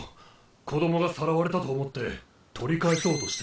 子供がさらわれたと思って取り返そうとしていたのか。